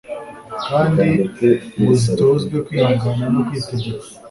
kandi ngo zitozwe kwihangana no kwitegeka.